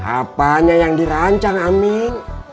apanya yang dirancang amin